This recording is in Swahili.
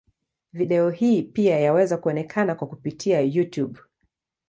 Video hii pia yaweza kuonekana kwa kupitia Youtube.